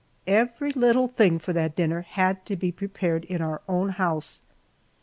Every little thing for that dinner had to be prepared in our own house.